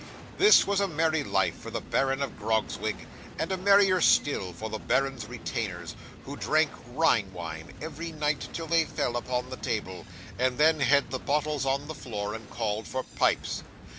'This was a merry life for the Baron of Grogzwig, and a merrier still for the baron's retainers, who drank Rhine wine every night till they fell under the table, and then had the bottles on the floor, and called for pipes.